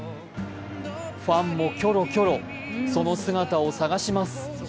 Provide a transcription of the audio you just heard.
ファンもキョロキョロ、その姿を探します。